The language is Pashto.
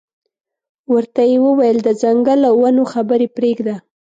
ورته یې وویل د ځنګل او ونو خبرې پرېږده.